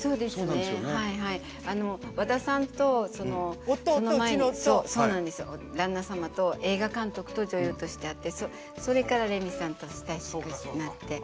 和田さんとレミさんの旦那様と映画監督と女優として会ってそれからレミさんと親しくなって。